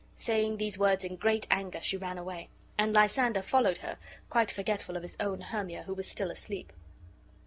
Saying these words in great anger, she ran away; and Lysander followed her, quite forgetful of his own Hermia, who was still asleep.